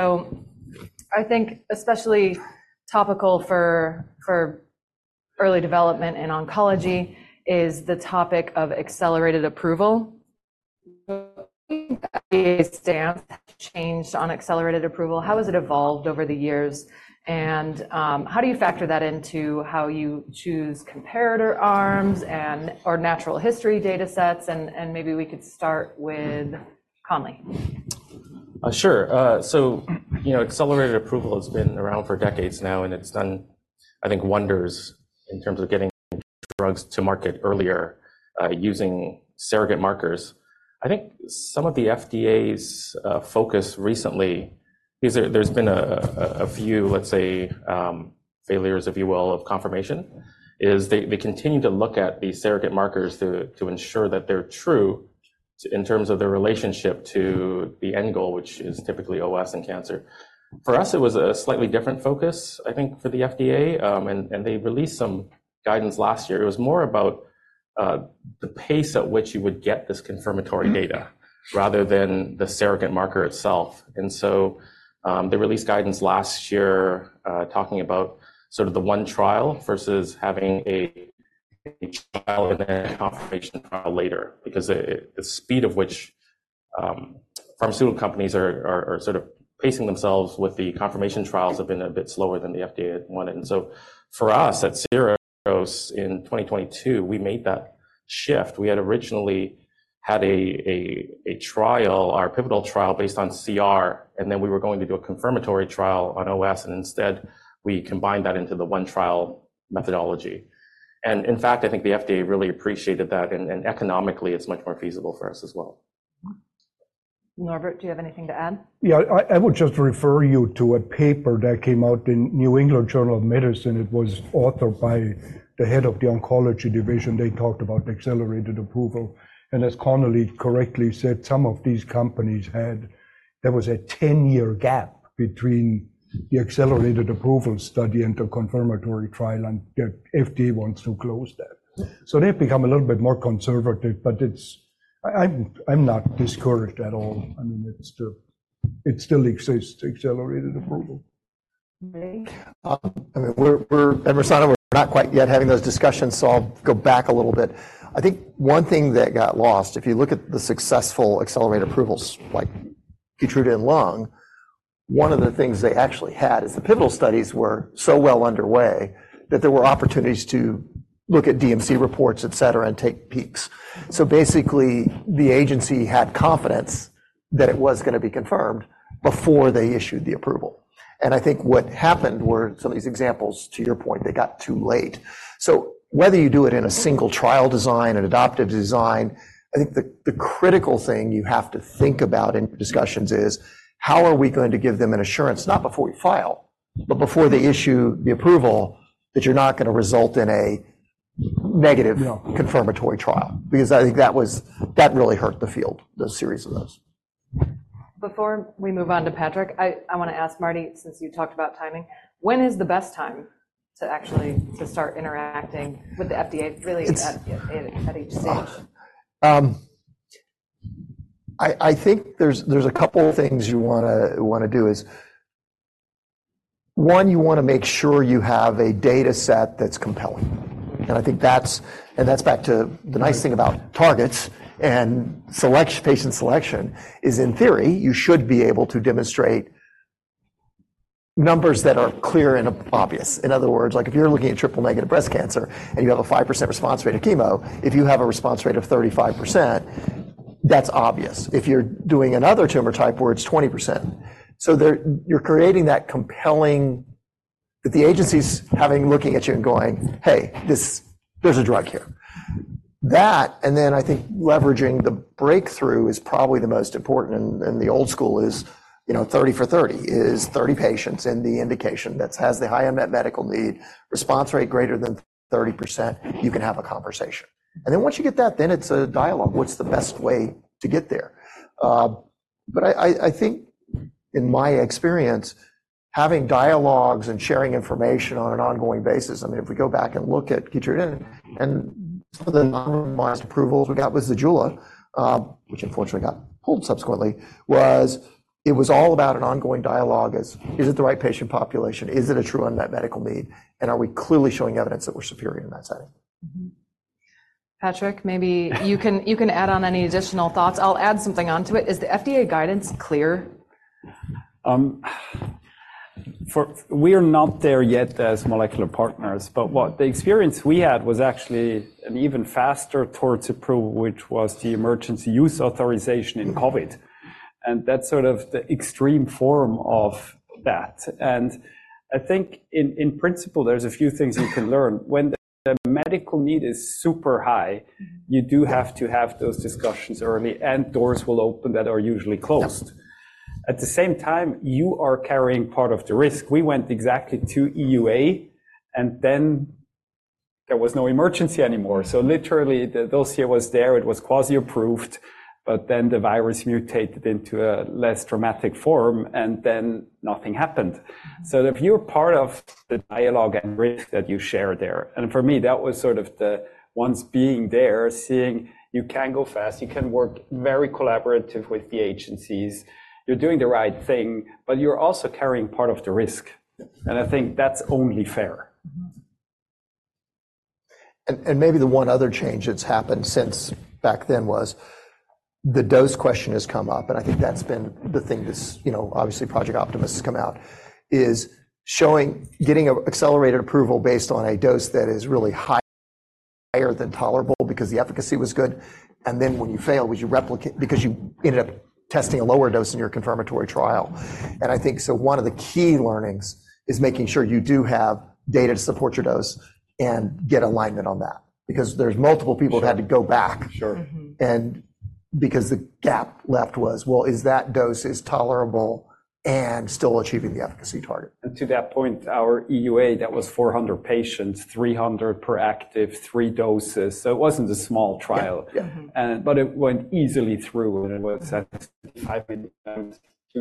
So I think especially topical for early development in oncology is the topic of Accelerated Approval. FDA stance changed on Accelerated Approval. How has it evolved over the years, and how do you factor that into how you choose comparator arms and or natural history data sets? And maybe we could start with Conley. Sure. So, you know, Accelerated Approval has been around for decades now, and it's done, I think, wonders in terms of getting drugs to market earlier, using surrogate markers. I think some of the FDA's focus recently is there. There's been a few, let's say, failures, if you will, of confirmation. They continue to look at these surrogate markers to ensure that they're true in terms of their relationship to the end goal, which is typically OS in cancer. For us, it was a slightly different focus, I think, for the FDA, and they released some guidance last year. It was more about the pace at which you would get this confirmatory data rather than the surrogate marker itself. They released guidance last year, talking about sort of the one trial versus having a trial and then a confirmation trial later. Because the speed of which pharmaceutical companies are sort of pacing themselves with the confirmation trials have been a bit slower than the FDA had wanted. For us, at Syros in 2022, we made that shift. We had originally had a trial, our pivotal trial, based on CR, and then we were going to do a confirmatory trial on OS, and instead, we combined that into the one-trial methodology. In fact, I think the FDA really appreciated that, and economically, it's much more feasible for us as well. Norbert, do you have anything to add? Yeah, I would just refer you to a paper that came out in New England Journal of Medicine. It was authored by the head of the Oncology Division. They talked about Accelerated Approval, and as Conley correctly said, some of these companies had, there was a 10-year gap between the Accelerated Approval study and the confirmatory trial, and the FDA wants to close that. So they've become a little bit more conservative, but it's, I'm not discouraged at all. I mean, it's still, it still exists, Accelerated Approval. Marty? I mean, we're at Mersana, we're not quite yet having those discussions, so I'll go back a little bit. I think one thing that got lost, if you look at the successful accelerated approvals, like Keytruda in lung, one of the things they actually had is the pivotal studies were so well underway that there were opportunities to look at DMC reports, et cetera, and take peeks. So basically, the agency had confidence that it was gonna be confirmed before they issued the approval. And I think what happened were some of these examples, to your point, they got too late. So whether you do it in a single trial design, an adaptive design, I think the critical thing you have to think about in discussions is: How are we going to give them an assurance, not before we file, but before they issue the approval, that you're not gonna result in a negative- No... confirmatory trial? Because I think that really hurt the field, the series of those. Before we move on to Patrick, I want to ask Marty, since you talked about timing, when is the best time to actually to start interacting with the FDA, really at each stage? I think there's a couple things you wanna do is: one, you wanna make sure you have a data set that's compelling. And I think that's, and that's back to the nice thing about targets and select-patient selection is, in theory, you should be able to demonstrate numbers that are clear and obvious. In other words, like, if you're looking at triple-negative breast cancer and you have a 5% response rate to chemo, if you have a response rate of 35%, that's obvious. If you're doing another tumor type where it's 20%. So there, you're creating that compelling... That the agency's having, looking at you and going, "Hey, this, there's a drug here." That, and then I think leveraging the breakthrough is probably the most important. The old school is, you know, thirty for thirty, is 30 patients in the indication that has the high unmet medical need, response rate greater than 30%, you can have a conversation. And then once you get that, then it's a dialogue. What's the best way to get there? But I think in my experience, having dialogues and sharing information on an ongoing basis. I mean, if we go back and look at Keytruda and some of the non-blind approvals we got was Zejula, which unfortunately got pulled subsequently, it was all about an ongoing dialogue as, is it the right patient population? Is it a true unmet medical need, and are we clearly showing evidence that we're superior in that setting? Mm-hmm. Patrick, maybe you can, you can add on any additional thoughts. I'll add something onto it. Is the FDA guidance clear? We are not there yet as Molecular Partners, but what the experience we had was actually an even faster towards approval, which was the Emergency Use Authorization in COVID, and that's sort of the extreme form of that. I think in principle, there's a few things you can learn. When the medical need is super high, you do have to have those discussions early, and doors will open that are usually closed. Yep. At the same time, you are carrying part of the risk. We went exactly to EUA, and then there was no emergency anymore. So literally, the dossier was there, it was quasi-approved, but then the virus mutated into a less dramatic form, and then nothing happened. So if you're part of the dialogue and risk that you share there, and for me, that was sort of the once being there, seeing you can go fast, you can work very collaborative with the agencies. You're doing the right thing, but you're also carrying part of the risk, and I think that's only fair. Maybe the one other change that's happened since back then was the dose question has come up, and I think that's been the thing that's, you know, obviously, Project Optimus has come out, is showing, getting an accelerated approval based on a dose that is really high, higher than tolerable because the efficacy was good, and then when you fail, would you replicate, because you ended up testing a lower dose in your confirmatory trial. And I think so one of the key learnings is making sure you do have data to support your dose and get alignment on that, because there's multiple people who had to go back. Sure. Mm-hmm. Because the gap left was, well, is that dose is tolerable and still achieving the efficacy target? To that point, our EUA, that was 400 patients, 300 per active, three doses, so it wasn't a small trial. Yeah, yeah. Mm-hmm. But it went easily through, and it was at 5 and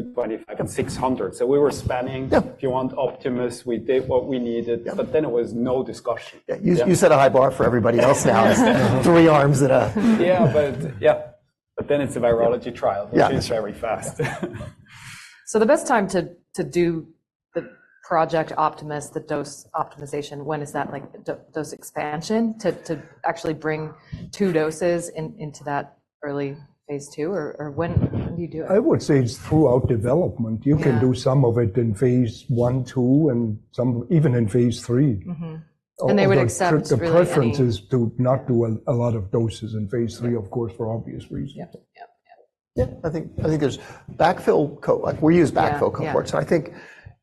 25 and 600. So we were spanning- Yeah. If you want Optimus, we did what we needed. Yeah. But then it was no discussion. Yeah. You set a high bar for everybody else now. Three arms at a- Yeah, but yeah. But then it's a virology trial. Yeah. Which is very fast. The best time to do the Project Optimus, the dose optimization, when is that, like, dose expansion, to actually bring two doses into that early phase two? Or when do you do it? I would say it's throughout development. Yeah. You can do some of it in phase one, two, and some even in phase three. Mm-hmm. And they would accept really any- The preference is to not do a lot of doses in phase 3, of course, for obvious reasons. Yep, yep, yep. Yeah, I think there's backfill, like, we use backfill cohorts. Yeah, yeah. I think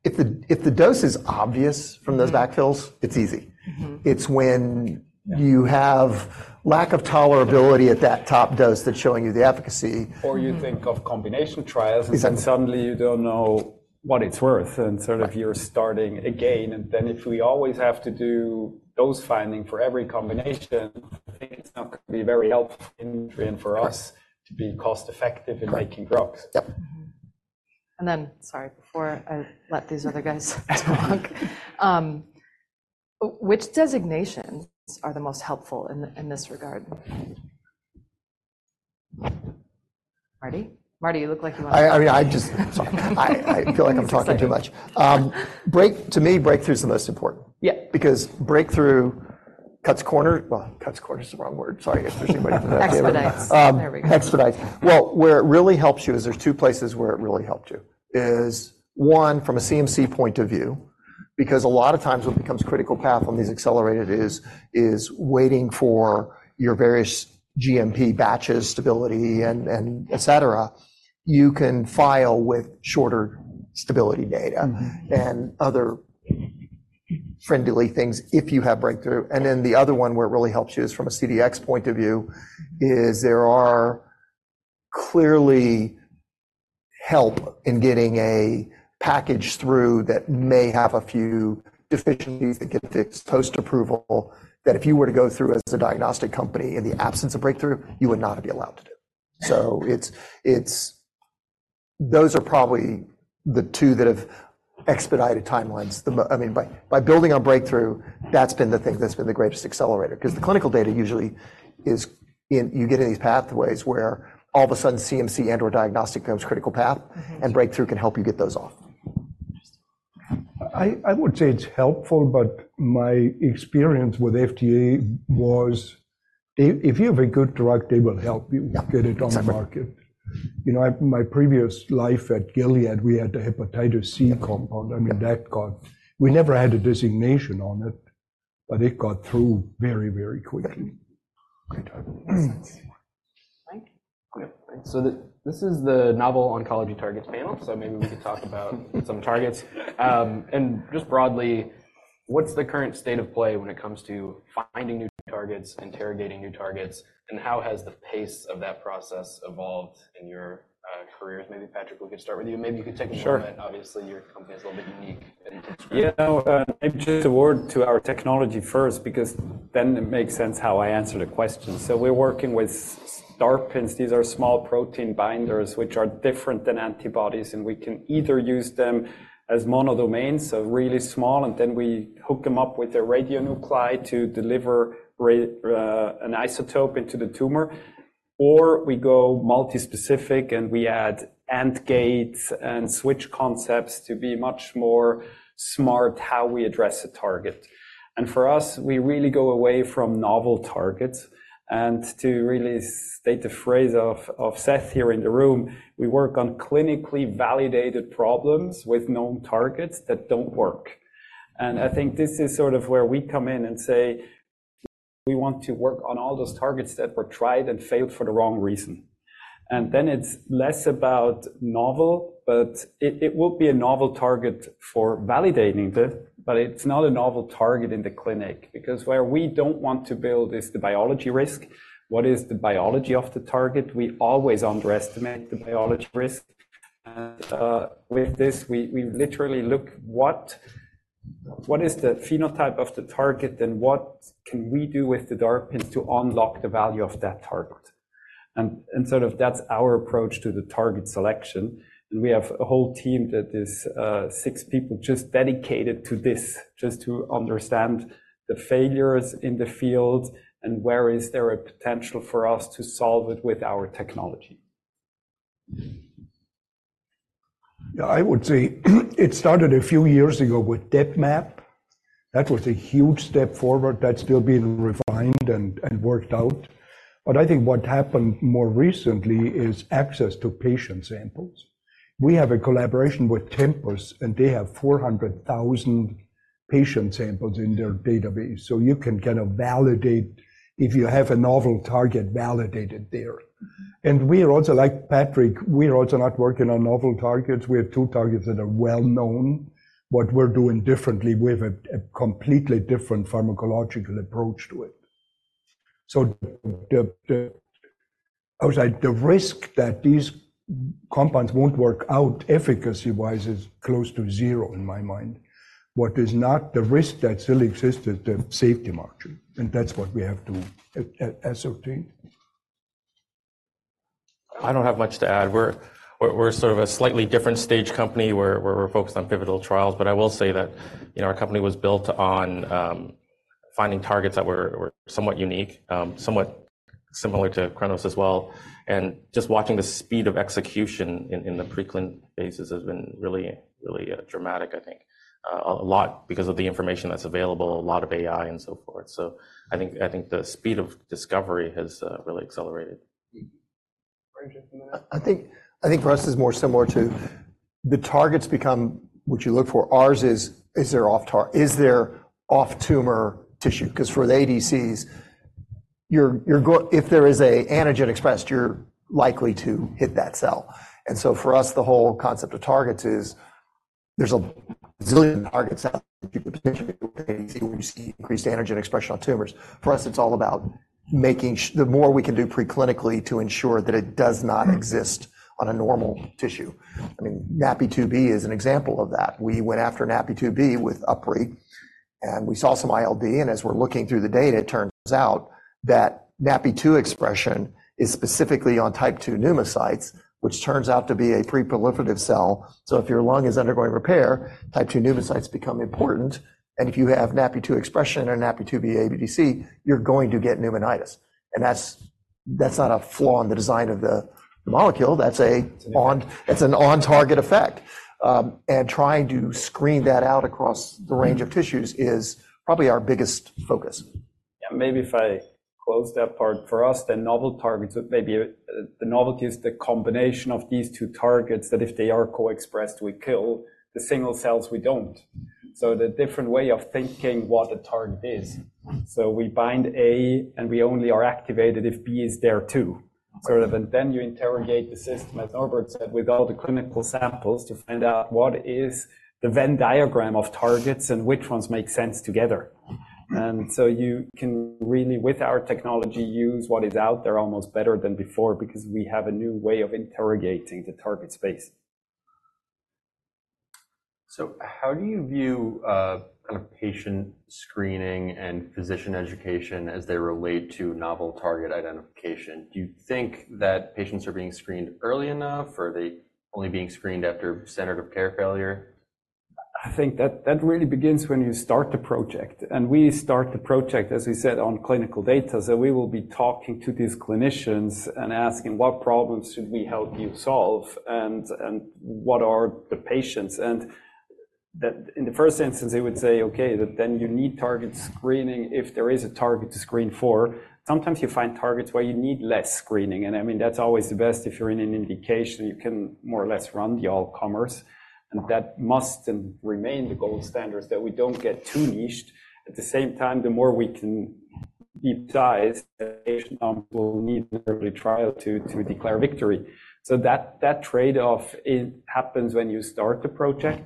if the dose is obvious from those backfills, it's easy. Mm-hmm. It's when you have lack of tolerability at that top dose that's showing you the efficacy- Or you think of combination trials. Exactly... and then suddenly you don't know what it's worth, and sort of you're starting again. And then if we always have to do dose finding for every combination, I think it's not going to be a very helpful ingredient for us to be cost effective in making drugs. Yep. Mm-hmm. And then, sorry, before I let these other guys talk, which designations are the most helpful in this regard? Marty? Marty, you look like you want to- I just... Sorry. I feel like I'm talking too much. To me, breakthrough is the most important. Yeah. Because breakthrough cuts corner... Well, cuts corner is the wrong word. Sorry if there's anybody from the FDA. Expedites. There we go. Well, where it really helps you is there's two places where it really helps you, is, one, from a CMC point of view, because a lot of times what becomes critical path on these accelerated is, is waiting for your various GMP batches, stability, and, and et cetera. You can file with shorter stability data- Mm-hmm... and other friendly things if you have breakthrough. And then the other one where it really helps you is from a CDx point of view, there are clearly helps in getting a package through that may have a few deficiencies that get fixed post-approval, that if you were to go through as a diagnostic company in the absence of breakthrough, you would not be allowed to do. So it's, it's— those are probably the two that have expedited timelines. I mean, by, by building on breakthrough, that's been the thing that's been the greatest accelerator. 'Cause the clinical data usually is in... You get in these pathways where all of a sudden, CMC and/or diagnostic becomes critical path- Mm-hmm... and breakthrough can help you get those off. Interesting. I would say it's helpful, but my experience with FDA was if you have a good drug, they will help you. Yeah... get it on the market. Exactly. You know, my previous life at Gilead, we had a hepatitis C compound. Yeah. I mean, that got, we never had a designation on it, but it got through very, very quickly. Great. I believe that's... Thank you. So this is the Novel Oncology Targets panel, so maybe we could talk about some targets. And just broadly, what's the current state of play when it comes to finding new targets, interrogating new targets, and how has the pace of that process evolved in your careers? Maybe Patrick, we could start with you. Maybe you could take a moment. Sure. Obviously, your company is a little bit unique. Yeah. Maybe just a word to our technology first, because then it makes sense how I answer the question. So we're working with DARPins. These are small protein binders, which are different than antibodies, and we can either use them as mono-domains, so really small, and then we hook them up with a radionuclide to deliver an isotope into the tumor, or we go multi-specific, and we add AND gates and switch concepts to be much more smart how we address a target. And for us, we really go away from novel targets. And to really state the phrase of Seth here in the room, "We work on clinically validated problems with known targets that don't work." And I think this is sort of where we come in and say, "We want to work on all those targets that were tried and failed for the wrong reason." And then it's less about novel, but it will be a novel target for validating it, but it's not a novel target in the clinic, because where we don't want to build is the biology risk. What is the biology of the target? We always underestimate the biology risk. And with this, we literally look, what is the phenotype of the target, and what can we do with the DARPin to unlock the value of that target? And sort of that's our approach to the target selection. We have a whole team that is six people just dedicated to this, just to understand the failures in the field and where is there a potential for us to solve it with our technology.... Yeah, I would say it started a few years ago with DepMap. That was a huge step forward. That's still being refined and worked out. But I think what happened more recently is access to patient samples. We have a collaboration with Tempus, and they have 400,000 patient samples in their database. So you can kind of validate if you have a novel target, validate it there. Like Patrick, we are also not working on novel targets. We have two targets that are well-known. What we're doing differently, we have a completely different pharmacological approach to it. So I would say, the risk that these compounds won't work out efficacy-wise is close to zero in my mind. What is not the risk that still exists is the safety margin, and that's what we have to assess in. I don't have much to add. We're sort of a slightly different stage company, where we're focused on pivotal trials. But I will say that, you know, our company was built on finding targets that were somewhat unique, somewhat similar to Kronos as well. And just watching the speed of execution in the preclinical phases has been really, really dramatic, I think, a lot because of the information that's available, a lot of AI and so forth. So I think the speed of discovery has really accelerated. Right. I think for us it's more similar to the targets become what you look for. Ours is, is there off-tumor tissue? 'Cause for the ADCs, if there is an antigen expressed, you're likely to hit that cell. And so for us, the whole concept of targets is there's a zillion targets out, increased antigen expression on tumors. For us, it's all about making sure the more we can do preclinically to ensure that it does not exist on a normal tissue. I mean, NaPi2b is an example of that. We went after NaPi2b with UpRi, and we saw some ILD, and as we're looking through the data, it turns out that NaPi2b expression is specifically on type two pneumocytes, which turns out to be a pre-proliferative cell. So if your lung is undergoing repair, type two pneumocytes become important, and if you have NaPi2b expression or NaPi2b ADC, you're going to get pneumonitis. And that's not a flaw in the design of the molecule. That's an on-target effect. And trying to screen that out across the range of tissues is probably our biggest focus. Yeah, maybe if I close that part. For us, the novel targets, maybe, the novelty is the combination of these two targets, that if they are co-expressed, we kill the single cells, we don't. So the different way of thinking what the target is. So we bind A, and we only are activated if B is there, too. Sort of, and then you interrogate the system, as Norbert said, with all the clinical samples, to find out what is the Venn diagram of targets and which ones make sense together. And so you can really, with our technology, use what is out there almost better than before because we have a new way of interrogating the target space. How do you view, kind of patient screening and physician education as they relate to novel target identification? Do you think that patients are being screened early enough, or are they only being screened after standard of care failure? I think that really begins when you start the project, and we start the project, as we said, on clinical data. So we will be talking to these clinicians and asking: What problems should we help you solve, and what are the patients? And that in the first instance, they would say, "Okay," but then you need target screening if there is a target to screen for. Sometimes you find targets where you need less screening, and, I mean, that's always the best. If you're in an indication, you can more or less run the all-comers, and that must remain the gold standard, so that we don't get too niched. At the same time, the more we can deep dive, we'll need every trial to declare victory. So that trade-off it happens when you start the project,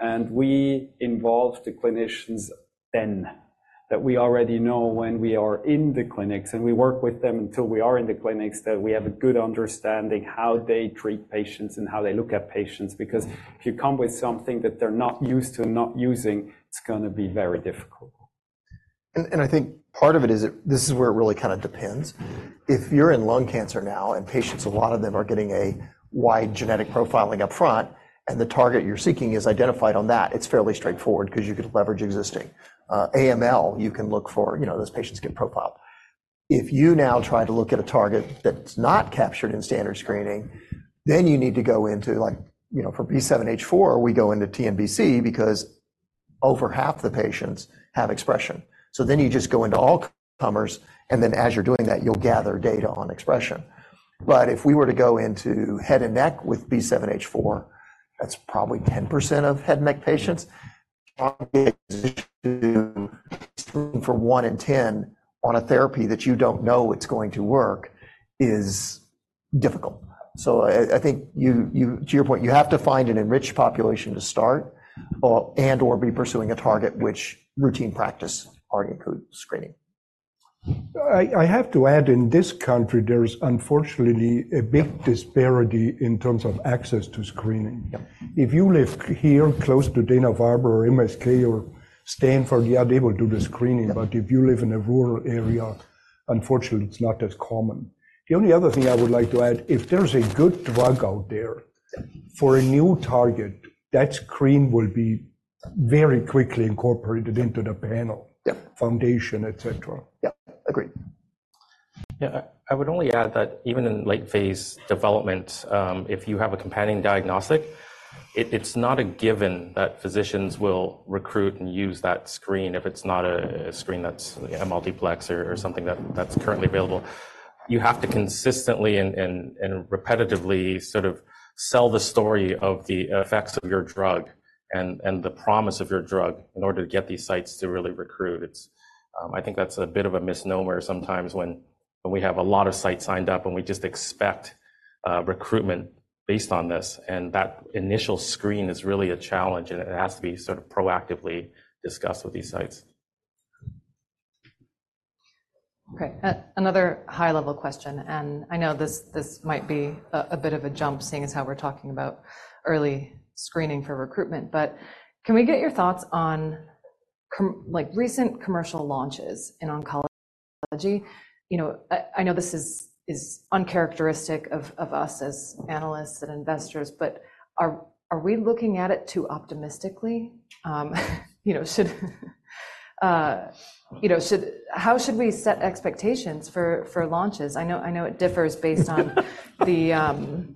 and we involve the clinicians then. That we already know when we are in the clinics, and we work with them until we are in the clinics, that we have a good understanding how they treat patients and how they look at patients. Because if you come with something that they're not used to not using, it's gonna be very difficult. I think part of it is, this is where it really kinda depends. If you're in lung cancer now, and patients, a lot of them are getting a wide genetic profiling upfront, and the target you're seeking is identified on that, it's fairly straightforward 'cause you could leverage existing. AML, you can look for, you know, those patients get profiled. If you now try to look at a target that's not captured in standard screening, then you need to go into like, you know, for B7-H4, we go into TNBC because over half the patients have expression. So then you just go into all comers, and then as you're doing that, you'll gather data on expression. But if we were to go into head and neck with B7-H4, that's probably 10% of head and neck patients. For one in ten on a therapy that you don't know it's going to work is difficult. So, I think to your point, you have to find an enriched population to start or and/or be pursuing a target which routine practice already include screening. I have to add, in this country, there is unfortunately a big disparity in terms of access to screening. Yep. If you live here close to Dana-Farber or MSK or Stanford, you are able to do the screening. Yep. But if you live in a rural area, unfortunately, it's not as common. The only other thing I would like to add, if there's a good drug out there- Yep... for a new target, that screen will be very quickly incorporated into the panel- Yep - Foundation, et cetera. Yep. Agreed.... Yeah, I would only add that even in late-phase development, if you have a companion diagnostic, it's not a given that physicians will recruit and use that screen if it's not a screen that's a multiplexer or something that's currently available. You have to consistently and repetitively sort of sell the story of the effects of your drug and the promise of your drug in order to get these sites to really recruit. It's... I think that's a bit of a misnomer sometimes when we have a lot of sites signed up, and we just expect recruitment based on this, and that initial screen is really a challenge, and it has to be sort of proactively discussed with these sites. Okay, another high-level question, and I know this might be a bit of a jump, seeing as how we're talking about early screening for recruitment. But can we get your thoughts on, like, recent commercial launches in oncology? You know, I know this is uncharacteristic of us as analysts and investors, but are we looking at it too optimistically? You know, should, you know, should. How should we set expectations for launches? I know it differs based on the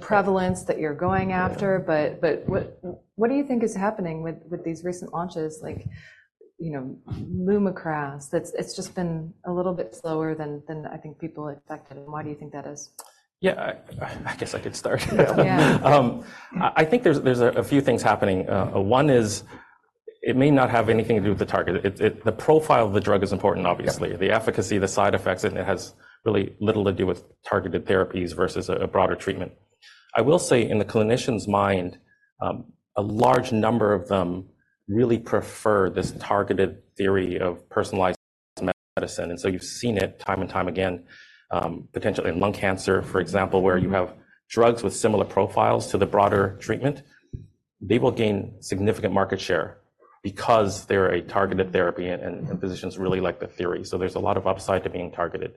prevalence that you're going after. Yeah. But what do you think is happening with these recent launches, like, you know, LUMAKRAS? It's just been a little bit slower than I think people expected, and why do you think that is? Yeah. I guess I could start. Yeah. I think there's a few things happening. One is it may not have anything to do with the target. The profile of the drug is important, obviously. Yeah. The efficacy, the side effects, and it has really little to do with targeted therapies versus a broader treatment. I will say, in the clinician's mind, a large number of them really prefer this targeted theory of personalized medicine, and so you've seen it time and time again, potentially in lung cancer, for example, where you have drugs with similar profiles to the broader treatment. They will gain significant market share because they're a targeted therapy, and physicians really like the theory, so there's a lot of upside to being targeted.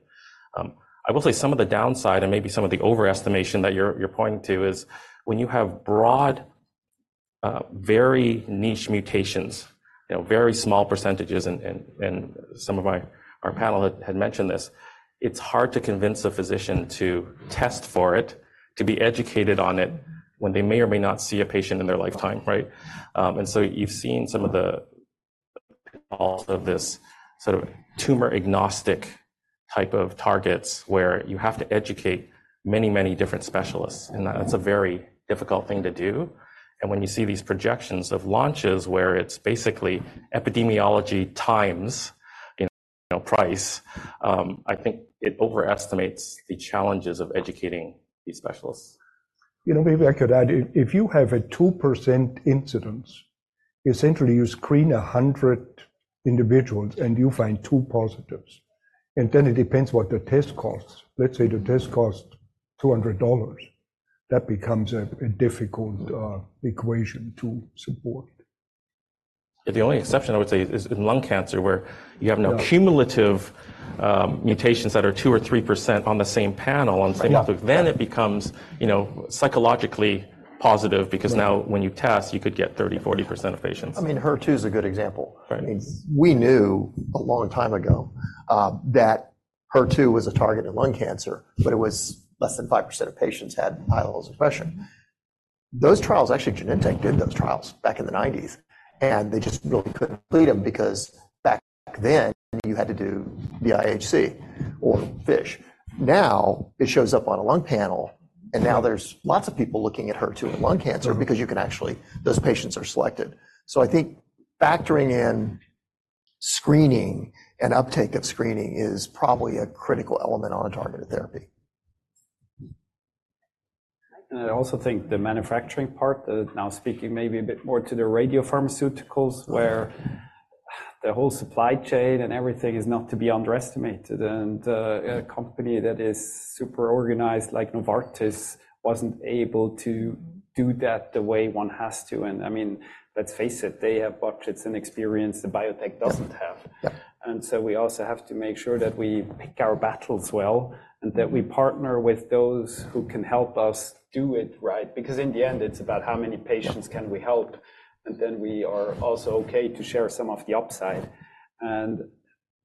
I will say some of the downside and maybe some of the overestimation that you're pointing to is when you have broad, very niche mutations, you know, very small percentages, and some of our panel had mentioned this, it's hard to convince a physician to test for it, to be educated on it, when they may or may not see a patient in their lifetime, right? And so you've seen some of the, all of this sort of tumor-agnostic type of targets, where you have to educate many, many different specialists, and that's a very difficult thing to do. And when you see these projections of launches, where it's basically epidemiology times, you know, price, I think it overestimates the challenges of educating these specialists. You know, maybe I could add. If you have a 2% incidence, essentially you screen 100 individuals, and you find two positives, and then it depends what the test costs. Let's say the test costs $200. That becomes a difficult equation to support. The only exception, I would say, is in lung cancer, where you have- Yeah... now cumulative mutations that are 2 or 3% on the same panel, on the same- Yeah... Then it becomes, you know, psychologically positive- Yeah... because now when you test, you could get 30%-40% of patients. I mean, HER2 is a good example. Right. We knew a long time ago that HER2 was a target in lung cancer, but it was less than 5% of patients had high levels of expression. Those trials, actually, Genentech did those trials back in the nineties, and they just really couldn't complete them because back then, you had to do the IHC or FISH. Now, it shows up on a lung panel, and now there's lots of people looking at HER2 in lung cancer. Yeah... because you can actually, those patients are selected. So I think factoring in screening and uptake of screening is probably a critical element on a targeted therapy. I also think the manufacturing part, now speaking maybe a bit more to the radiopharmaceuticals, where the whole supply chain and everything is not to be underestimated. A company that is super organized, like Novartis, wasn't able to do that the way one has to. I mean, let's face it, they have budgets and experience the biotech doesn't have. Yeah. We also have to make sure that we pick our battles well and that we partner with those who can help us do it right. Because in the end, it's about how many patients can we help, and then we are also okay to share some of the upside.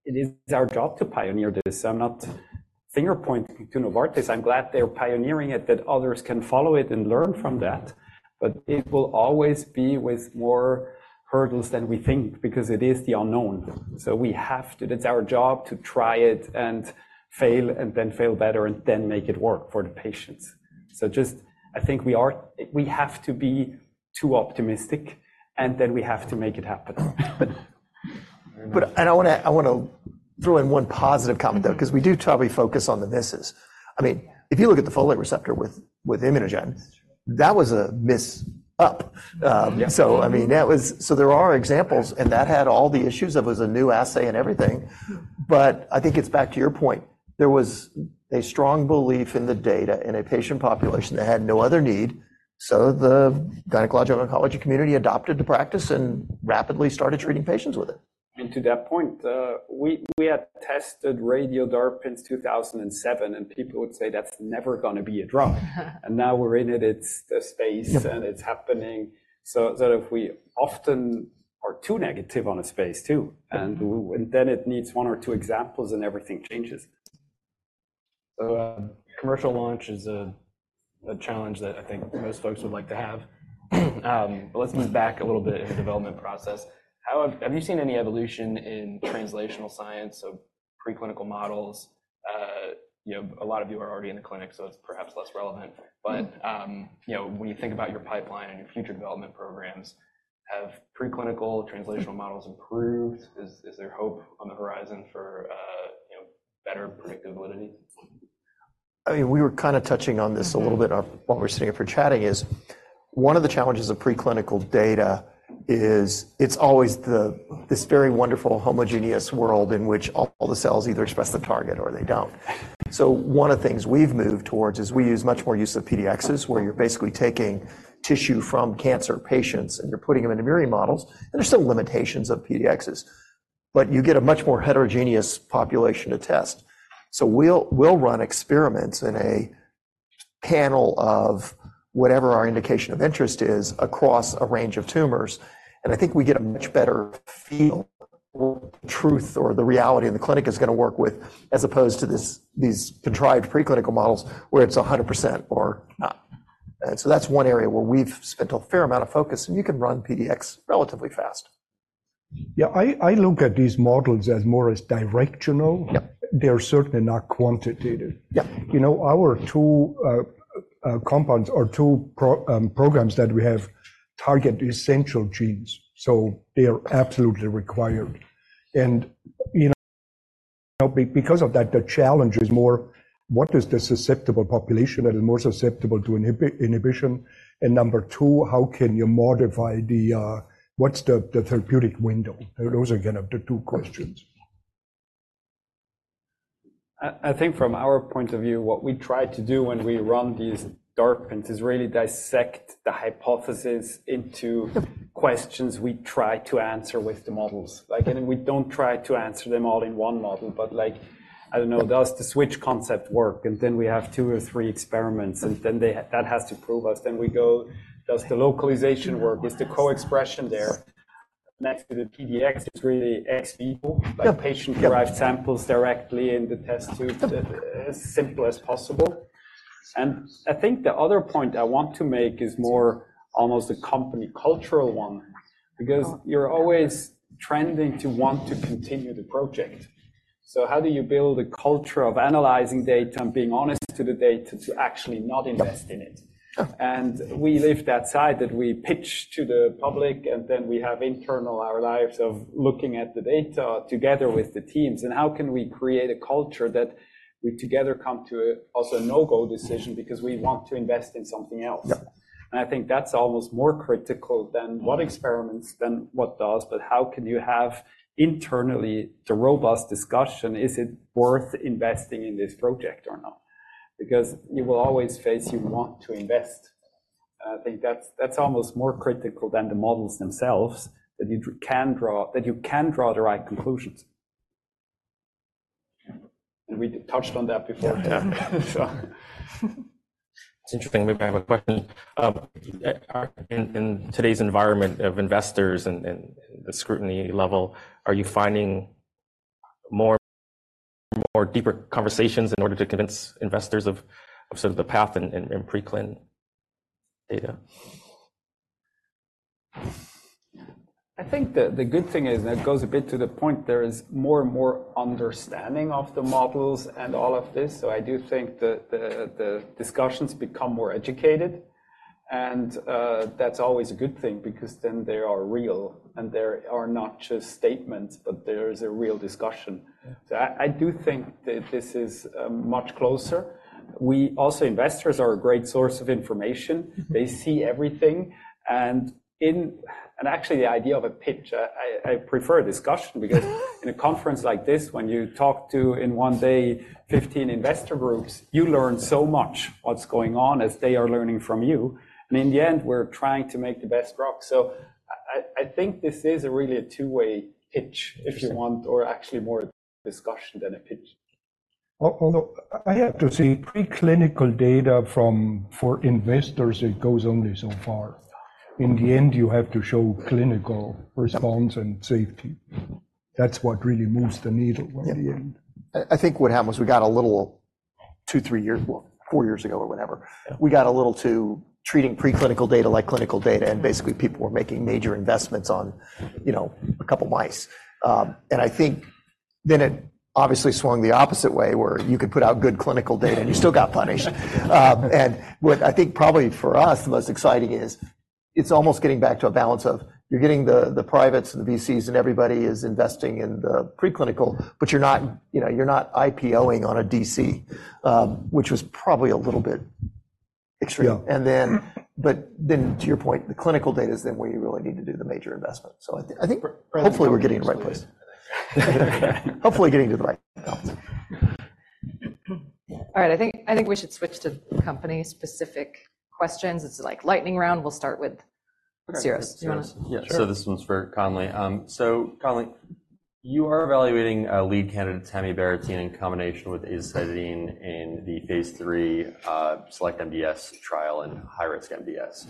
It is our job to pioneer this. I'm not finger-pointing to Novartis. I'm glad they're pioneering it, that others can follow it and learn from that. It will always be with more hurdles than we think because it is the unknown. So we have to. It's our job to try it and fail, and then fail better, and then make it work for the patients. So just, I think we have to be too optimistic, and then we have to make it happen. I wanna throw in one positive comment, though. Mm-hmm... 'cause we do totally focus on the misses. I mean, if you look at the folate receptor with ImmunoGen- That's true... that was a mix-up. Yeah. So I mean, there are examples, and that had all the issues. It was a new assay and everything. Yeah. I think it's back to your point. There was a strong belief in the data, in a patient population that had no other need, so the gynecologic oncology community adopted the practice and rapidly started treating patients with it. And to that point, we had tested Radio-DARPin in 2007, and people would say: That's never gonna be a drug. And now we're in it. It's the space- Yeah... and it's happening. So if we often are too negative on a space, too, and then it needs one or two examples, and everything changes. ... So, commercial launch is a challenge that I think most folks would like to have. But let's move back a little bit in the development process. How have you seen any evolution in translational science, so preclinical models? You know, a lot of you are already in the clinic, so it's perhaps less relevant. But you know, when you think about your pipeline and your future development programs, have preclinical translational models improved? Is there hope on the horizon for you know, better predictive validity? I mean, we were kind of touching on this a little bit while we were sitting up here chatting, is one of the challenges of preclinical data is it's always the, this very wonderful, homogeneous world in which all the cells either express the target or they don't. So one of the things we've moved towards is we use much more use of PDXs, where you're basically taking tissue from cancer patients, and you're putting them into murine models. There are still limitations of PDXs, but you get a much more heterogeneous population to test. So we'll, we'll run experiments in a panel of whatever our indication of interest is across a range of tumors, and I think we get a much better feel truth or the reality in the clinic is gonna work with, as opposed to this, these contrived preclinical models where it's 100% or not. And so that's one area where we've spent a fair amount of focus, and you can run PDX relatively fast. Yeah, I look at these models as more as directional. Yeah. They're certainly not quantitative. Yeah. You know, our two compounds or two programs that we have target essential genes, so they are absolutely required. And, you know, because of that, the challenge is more: what is the susceptible population that is more susceptible to inhibition? And number two, how can you modify the therapeutic window? Those, again, are the two questions. I think from our point of view, what we try to do when we run these experiments is really dissect the hypothesis into questions we try to answer with the models. Like, and we don't try to answer them all in one model, but like, I don't know, does the switch concept work? And then we have 2 or 3 experiments, and then they - that has to prove us. Then we go, does the localization work? Is the co-expression there? Next to the PDX is really ex vivo- Yeah... like patient-derived samples directly in the test tube, as simple as possible. I think the other point I want to make is more almost a company cultural one, because you're always tending to want to continue the project. So how do you build a culture of analyzing data and being honest to the data to actually not invest in it? Yeah. We live that side that we pitch to the public, and then we have internal reviews of looking at the data together with the teams, and how can we create a culture that we together come to also a no-go decision because we want to invest in something else? Yeah. I think that's almost more critical than what experiments do, but how can you have internally the robust discussion, is it worth investing in this project or not? Because you will always face, you want to invest. I think that's, that's almost more critical than the models themselves, that you can draw, that you can draw the right conclusions. We touched on that before. Yeah, sure. It's interesting. Maybe I have a question. In today's environment of investors and the scrutiny level, are you finding more deeper conversations in order to convince investors of sort of the path in preclinical data? I think the good thing is, and it goes a bit to the point, there is more and more understanding of the models and all of this, so I do think the discussions become more educated. And, that's always a good thing because then they are real, and they are not just statements, but there is a real discussion. So I do think that this is much closer. Also, investors are a great source of information. Mm-hmm. They see everything. Actually, the idea of a pitch, I prefer a discussion because in a conference like this, when you talk to 15 investor groups in one day, you learn so much what's going on as they are learning from you. And in the end, we're trying to make the best drug. So I think this is really a two-way pitch, if you want, or actually more discussion than a pitch. Although, I have to say, preclinical data from, for investors, it goes only so far. In the end, you have to show clinical response- Yeah... and safety. That's what really moves the needle in the end. I think what happened was we got a little, 2, 3 years, well, 4 years ago or whenever, we got a little too treating preclinical data like clinical data, and basically, people were making major investments on, you know, a couple mice. And I think then it obviously swung the opposite way, where you could put out good clinical data, and you still got punished. And what I think probably for us, the most exciting is it's almost getting back to a balance of you're getting the, the privates and the VCs, and everybody is investing in the preclinical, but you're not, you know, you're not IPO-ing on a DC, which was probably a little bit extreme. Yeah. To your point, the clinical data is then where you really need to do the major investment. So I think, hopefully, we're getting to the right place. Hopefully, getting to the right balance. All right, I think we should switch to company-specific questions. It's like lightning round. We'll start with Syros. Do you want to- Yeah. So this one's for Conley. So, Conley, you are evaluating a lead candidate, tamibarotene, in combination with azacitidine in the phase III SELECT-MDS trial in high-risk MDS.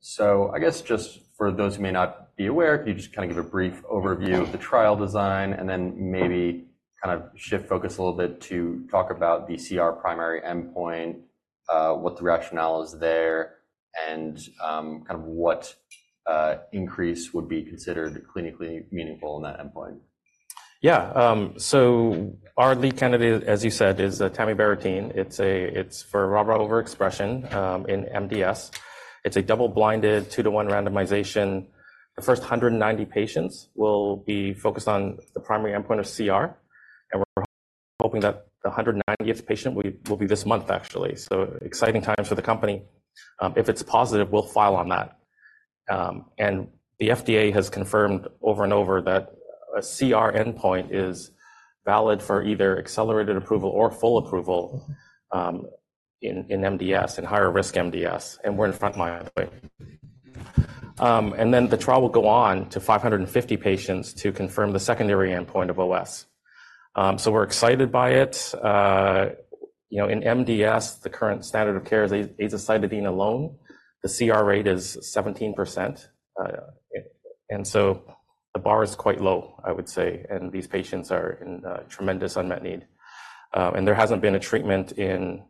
So I guess, just for those who may not be aware, can you just kind of give a brief overview of the trial design and then maybe kind of shift focus a little bit to talk about the CR primary endpoint, what the rationale is there?... and, kind of what, increase would be considered clinically meaningful in that endpoint? Yeah, so our lead candidate, as you said, is tamibarotene. It's for RARA overexpression in MDS. It's a double-blinded, 2-to-1 randomization. The first 190 patients will be focused on the primary endpoint of CR, and we're hoping that the 190th patient will be this month, actually. So exciting times for the company. If it's positive, we'll file on that. And the FDA has confirmed over and over that a CR endpoint is valid for either accelerated approval or full approval in MDS, in higher-risk MDS, and we're in front line, by the way. And then the trial will go on to 550 patients to confirm the secondary endpoint of OS. So we're excited by it. You know, in MDS, the current standard of care is azacitidine alone. The CR rate is 17%. So the bar is quite low, I would say, and these patients are in tremendous unmet need. There hasn't been a treatment in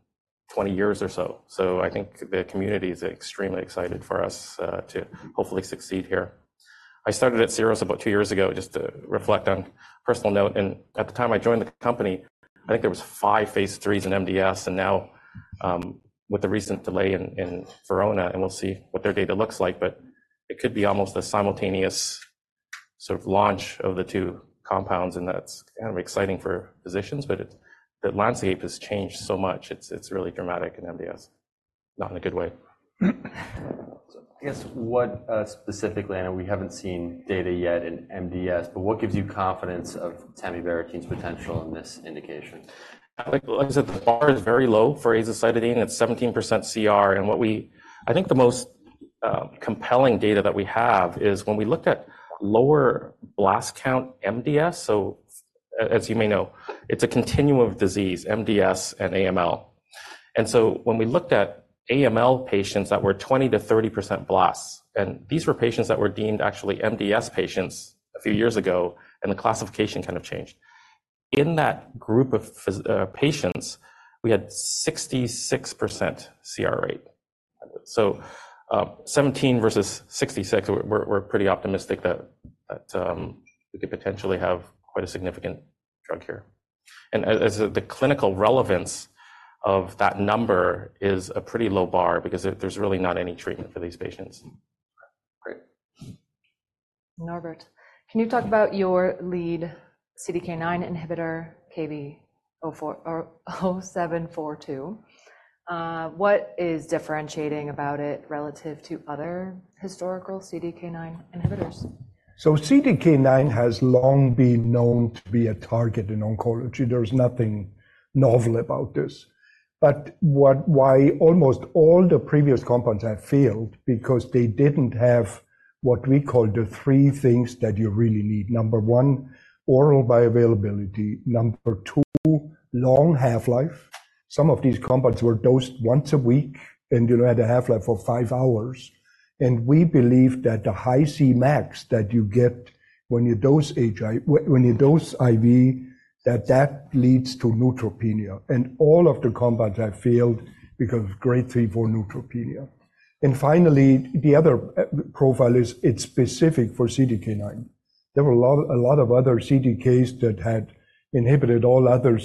20 years or so, so I think the community is extremely excited for us to hopefully succeed here. I started at Syros about 2 years ago, just to reflect on a personal note, and at the time I joined the company, I think there was 5 phase 3s in MDS, and now, with the recent delay in VERONA, and we'll see what their data looks like, but it could be almost a simultaneous sort of launch of the two compounds, and that's kind of exciting for physicians, but it, the landscape has changed so much. It's really dramatic in MDS, not in a good way. I guess what, specifically, I know we haven't seen data yet in MDS, but what gives you confidence of tamibarotene's potential in this indication? Like, like I said, the bar is very low for azacitidine. It's 17% CR, and what we, I think the most compelling data that we have is when we looked at lower blast count MDS. So as you may know, it's a continuum of disease, MDS and AML. And so when we looked at AML patients that were 20%-30% blasts, and these were patients that were deemed actually MDS patients a few years ago, and the classification kind of changed. In that group of patients, we had 66% CR rate. So, 17 versus 66, we're, we're pretty optimistic that, that we could potentially have quite a significant drug here. And as, as the clinical relevance of that number is a pretty low bar because there, there's really not any treatment for these patients. Great. Norbert, can you talk about your lead CDK9 inhibitor, KB-0742? What is differentiating about it relative to other historical CDK9 inhibitors? So CDK9 has long been known to be a target in oncology. There's nothing novel about this, but why almost all the previous compounds have failed because they didn't have what we call the three things that you really need. Number 1, oral bioavailability. Number 2, long half-life. Some of these compounds were dosed once a week, and you had a half-life of 5 hours, and we believe that the high Cmax that you get when you dose when you dose IV, that that leads to neutropenia, and all of the compounds have failed because of Grade 3 or neutropenia. And finally, the other key profile is it's specific for CDK9. There were a lot of, a lot of other